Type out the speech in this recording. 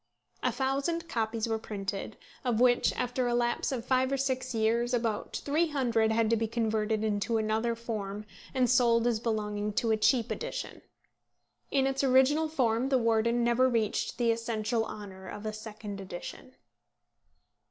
A thousand copies were printed, of which, after a lapse of five or six years, about 300 had to be converted into another form, and sold as belonging to a cheap edition. In its original form The Warden never reached the essential honour of a second edition.